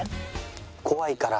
怖いから。